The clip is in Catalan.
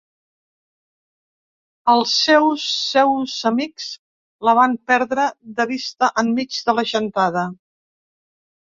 Els seus seus amics la van perdre de vista enmig de la gentada.